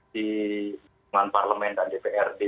dengan parlemen dan dprd